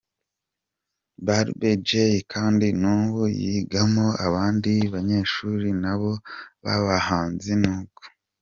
Barbie Jay kandi nubu yigamo abandi banyeshuri na bo babahanzi nubwo.